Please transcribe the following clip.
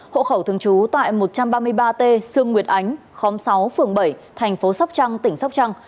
hộ khẩu thường trú tại một trăm ba mươi ba t sương nguyệt ánh khóm sáu phường bảy thành phố sóc trăng tỉnh sóc trăng